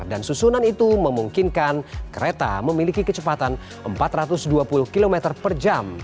dan susunan itu memungkinkan kereta memiliki kecepatan empat ratus dua puluh km per jam